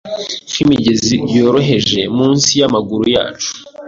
Nkimigezi yoroheje munsi yamaguru yacu